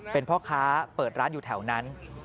เป็นพ่อค้าเปิดร้านอยู่แถวนั้น